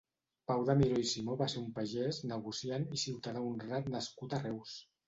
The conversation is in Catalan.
Pau de Miró i Simó va ser un pagès, negociant i ciutadà honrat nascut a Reus.